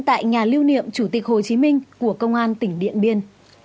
tại nhà lưu niệm chủ tịch hồ chí minh của công an tỉnh điện biên